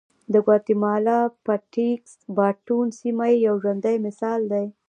د ګواتیمالا پټېکس باټون سیمه یې یو ژوندی مثال دی